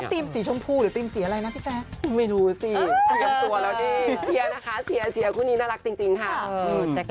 เขาติดสีชมพูหรือสีอะไรนะพี่แจ๊ก